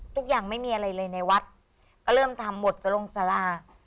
ทุกอย่างไม่มีอะไรเลยในวัดก็เริ่มทำหมดจะลงสารา